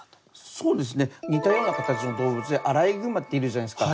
そうですね似たような形の動物でアライグマっているじゃないですか。